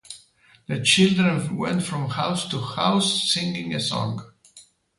The children went from house to house singing a song.